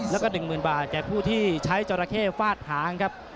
แล้วก็๑๐๐๐บาทแก่ผู้ที่ใช้จราเข้ฟาดหางครับ